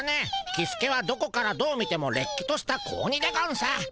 キスケはどこからどう見てもれっきとした子鬼でゴンス。